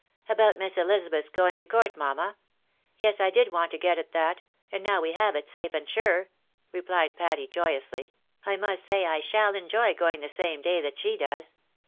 " About jNIiss Ehzabeth's going to court, mamma ? Yes, I did want to get at that, and now we have it, safe and sure," replied Patty, joyously. " I must say I shall enjoy going the same day that she does.